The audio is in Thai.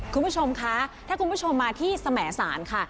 คุณผู้ชมคะถ้าคุณผู้ชมมาที่สมสารค่ะ